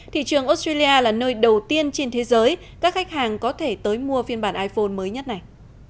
thị trường australia là nơi đầu tiên trên thế giới các khách hàng có thể tới mua phiên bản iphone mới nhất này